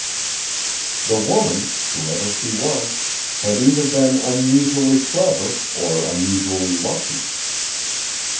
The woman, whoever she was, had either been unusually clever or unusually lucky.